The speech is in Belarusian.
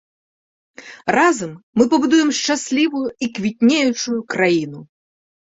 Разам мы пабудуем шчаслівую і квітнеючую краіну!